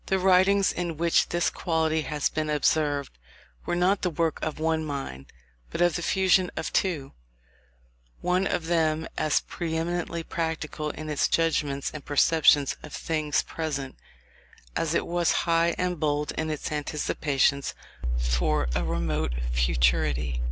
The writings in which this quality has been observed, were not the work of one mind, but of the fusion of two, one of them as pre eminently practical in its judgments and perceptions of things present, as it was high and bold in its anticipations for a remote futurity.